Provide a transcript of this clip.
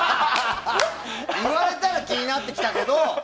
言われたら気になってきたけど！